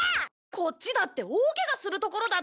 こっちだって大けがするところだったんだぞ！